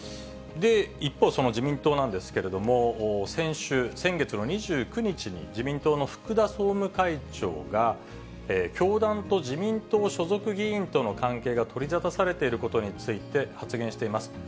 で、一方、その自民党なんですけれども、先週、先月の２９日に自民党の福田総務会長が、教団と自民党所属議員との関係が取り沙汰されていることについて発言しています。